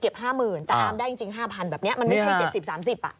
๕๐๐๐แต่อามได้จริง๕๐๐แบบนี้มันไม่ใช่๗๐๓๐อ่ะ